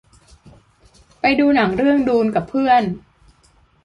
ไปดูหนังเรื่องดูนกับเพื่อน